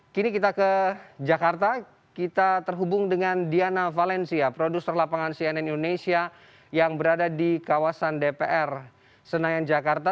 kini kita ke jakarta kita terhubung dengan diana valencia produser lapangan cnn indonesia yang berada di kawasan dpr senayan jakarta